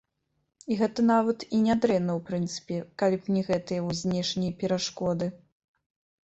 І гэта нават і нядрэнна ў прынцыпе, калі б не гэтыя вось знешнія перашкоды.